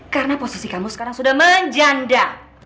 karena posisi kamu sekarang sudah menjanda